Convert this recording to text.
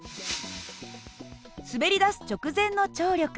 滑りだす直前の張力